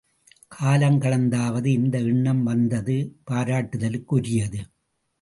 காலங் கடந்தாவது இந்த எண்ணம் வந்தது பாராட்டுதலுக் குரியது.